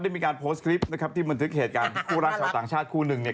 มีการโพสต์คลิปนะครับที่บันทึกเหตุการณ์คู่รักชาวต่างชาติคู่หนึ่งเนี่ย